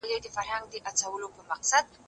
دا موبایل له هغه ګټور دی؟!